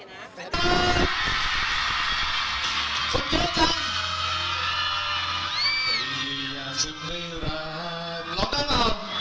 ลองด้านหลัง